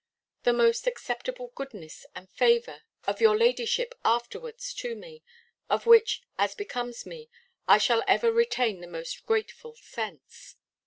The most acceptable goodness and favour of your ladyship afterwards to me, of which, as becomes me, I shall ever retain the most grateful sense.